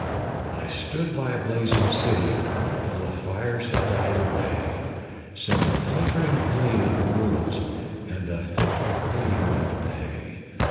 I stood by a blazing city Till the fires had died away, Save a flickering gleam in the ruins And a fitful gleam on the bay.